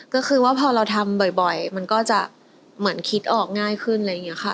ก็คือว่าพอเราทำบ่อยมันก็จะเหมือนคิดออกง่ายขึ้นอะไรอย่างนี้ค่ะ